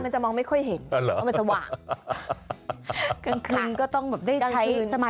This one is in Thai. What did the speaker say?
เป็นภาพติดตาเลยตอนนี้ดูค่ะ